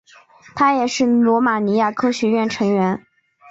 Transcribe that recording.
他也是罗马尼亚科学院成员。